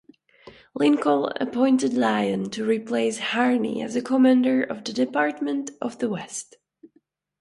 Lincoln appointed Lyon to replace Harney as commander of the Department of the West.